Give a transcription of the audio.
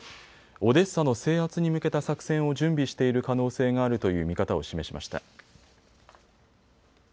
オデッサの制圧に向けた作戦を準備している可能性があるという見方を示しました。